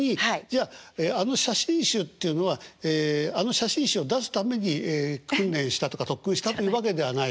じゃあの写真集っていうのはあの写真集を出すために訓練したとか特訓したとかというわけではない。